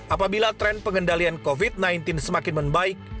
apabila tren pengendalian covid sembilan belas semakin membaik